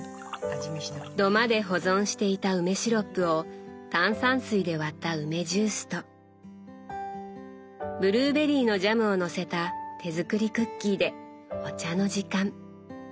土間で保存していた梅シロップを炭酸水で割った梅ジュースとブルーベリーのジャムをのせた手作りクッキーでお茶の時間。